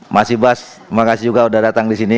mas ibas terima kasih juga sudah datang di sini